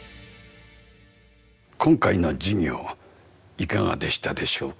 今回の授業いかがでしたでしょうか？